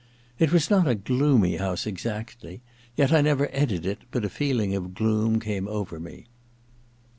It was not a gloomy house exactly, yet I never entered it but a feeling of gloom came over me.